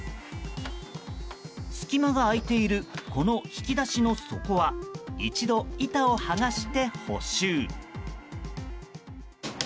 隙間が空いているこの引き出しの底は一度、板を剥がして補修。